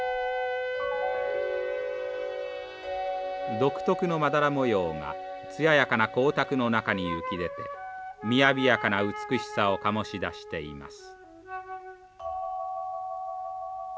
独特のまだら模様が艶やかな光沢の中に浮き出てみやびやかな美しさを醸し出しています。